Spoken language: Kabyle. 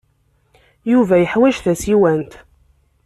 Yuba yeḥwaj tasiwant.